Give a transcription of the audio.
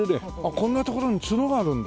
こんなところに角があるんだ。